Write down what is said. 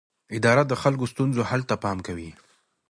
اداره د خلکو د ستونزو حل ته پام کوي.